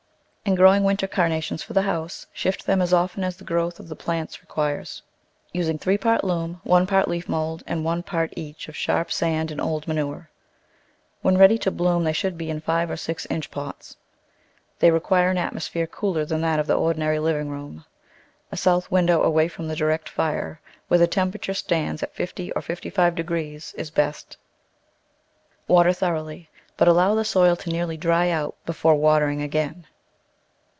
In growing winter Carnations for the house shift them as often as the growth of the plant requires, using three parts loam, one part leaf mould, and one part each of sharp sand and old manure. When ready to bloom they should be in five or six inch pots. They require an atmosphere cooler than that of the ordinary living room. A south window away from direct fire, where the temperature stands at 50 or 55 degrees, is best. Water thoroughly, but allow the soil to nearly dry out before watering again.